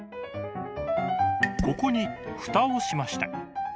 ここにフタをしました。